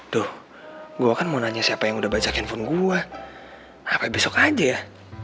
duh gua kan mau nanya siapa yang udah bacakin phone gua apa besok aja ya